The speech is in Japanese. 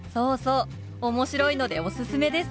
面白いのでおすすめです！